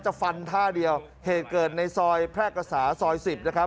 ฟันท่าเดียวเหตุเกิดในซอยแพร่กษาซอยสิบนะครับ